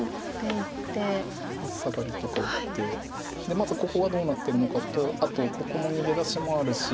でまずここがどうなってるのかとあとここも逃げ出しもあるし。